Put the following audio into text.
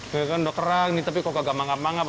ya kan udah kerang nih tapi kok agak mangap mangap